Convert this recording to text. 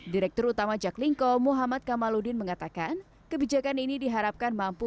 direktur utama jaklingko muhammad kamaludin mengatakan kebijakan ini diharapkan mampu